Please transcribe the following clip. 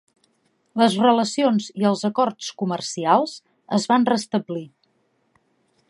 Les relacions i els acords comercials es van restablir.